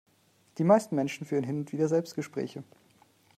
Die meisten Menschen führen hin und wieder Selbstgespräche.